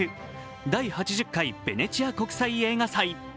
第８０回ベネチア国際映画祭。